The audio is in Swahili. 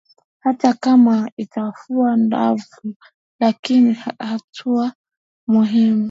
hata kama haitafua ndafu lakini hatua muhimu